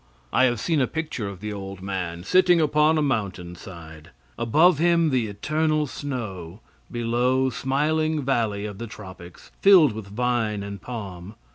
I have seen a picture of the old man, sitting upon a mountain side above him the eternal snow; below, smiling valley of the tropics, filled with vine and palm.